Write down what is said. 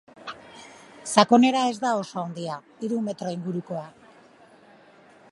Sakonera ez da oso handia, hiru metro ingurukoa.